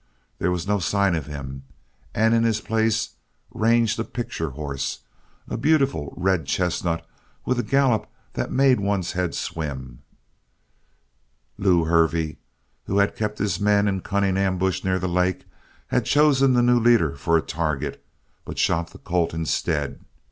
There was no sign of him, and in his place ranged a picture horse a beautiful red chestnut with a gallop that made one's head swim. Lew Hervey, who had kept his men in cunning ambush near the lake, had chosen the new leader for a target but shot the colt instead.